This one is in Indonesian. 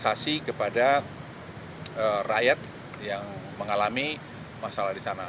investasi kepada rakyat yang mengalami masalah di sana